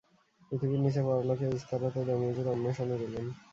পৃথিবীর নীচে পরলোকে ইস্তারত দমুজির অন্বেষণে গেলেন।